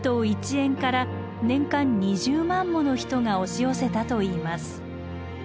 一円から年間２０万もの人が押し寄せたといいます。